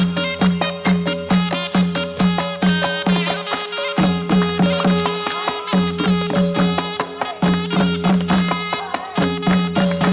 โหนี่เจ๋งวะ